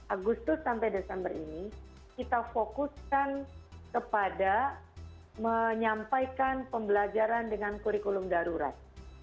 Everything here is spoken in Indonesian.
agustus sampai desember ini kita fokuskan kepada menyampaikan pembelajaran dengan kurikulum darurat